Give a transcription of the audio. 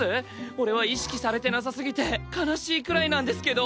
俺は意識されてなさすぎて悲しいくらいなんですけど。